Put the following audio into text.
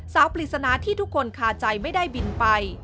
ปริศนาที่ทุกคนคาใจไม่ได้บินไป